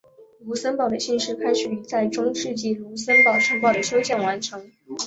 卢森堡的信史开始于在中世纪卢森堡城堡的修建完成。